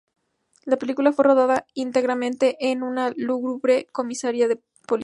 La película fue rodada íntegramente en una lúgubre comisaría de policía.